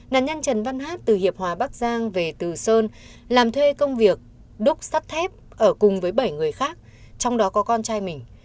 nạn nhân trần văn hát từ hiệp hòa bắc giang về từ sơn làm thuê công việc đúc sắt thép ở cùng với bảy người khác trong đó có con trai mình